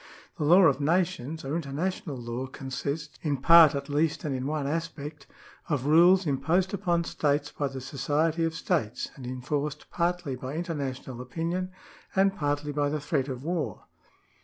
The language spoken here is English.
The law of nations or international law consists (in part at least, and in one aspect) of rules imposed upon states by the society of states, and enforced partly by international opinion and partly by the threat of war.